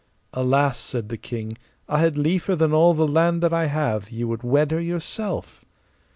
Alas, said the king, I had liefer than all the land that I have ye would wed her yourself.